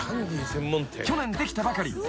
［去年できたばかり。